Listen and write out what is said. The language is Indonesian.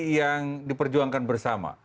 yang diperjuangkan bersama